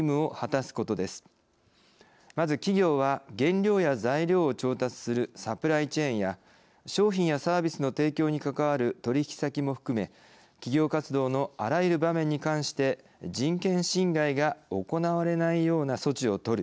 まず企業は原料や材料を調達するサプライチェーンや商品やサービスの提供に関わる取引先も含め企業活動のあらゆる場面に関して人権侵害が行われないような措置をとる。